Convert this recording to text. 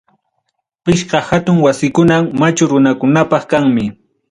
Pichqa hatun wasikunam machu runakunapaq kanmi.